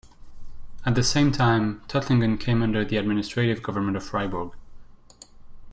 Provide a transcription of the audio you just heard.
At the same time, Tuttlingen came under the administrative government of Freiburg.